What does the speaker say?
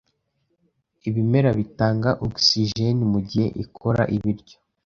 Ibimera bitanga ogisijeni mugihe ikora ibiryo.